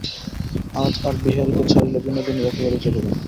আজ আর বিহারীকে ছাড়িলে বিনোদিনীর একেবারেই চলিবে না।